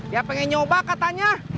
ya pengen nyoba katanya